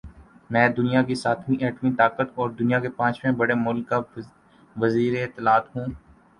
میں دنیا کی ساتویں ایٹمی طاقت اور دنیا کے پانچویں بڑے مُلک کا وزیراطلاعات ہوں